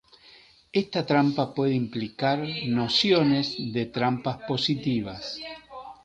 Esta trampa puede implicar nociones de trampas positivas.